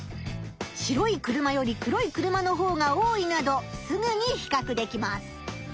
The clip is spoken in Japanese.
白い車より黒い車のほうが多いなどすぐにひかくできます。